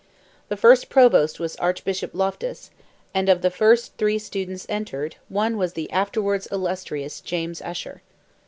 The first Provost was Archbishop Loftus, and of the first three students entered, one was the afterwards illustrious James Usher.